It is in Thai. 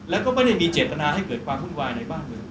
แล้วก็ไม่ได้มีเจตนาให้เกิดความวุ่นวายในบ้านเมือง